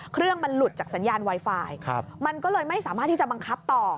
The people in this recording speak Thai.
เครื่องมันหลุดจากสัญญาณไวไฟมันก็เลยไม่สามารถที่จะบังคับต่อ